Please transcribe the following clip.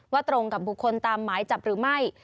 ตรงกับบุคคลตามหมายจับหรือไม่